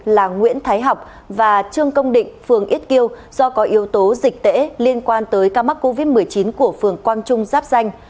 là nguyễn thái học và trương công định phường ít kiêu do có yếu tố dịch tễ liên quan tới ca mắc covid một mươi chín của phường quang trung giáp danh